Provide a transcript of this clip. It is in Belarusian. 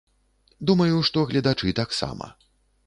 Думаю, што гледачы таксама.